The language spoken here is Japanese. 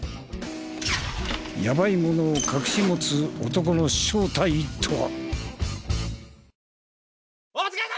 やばいものを隠し持つ男の正体とは？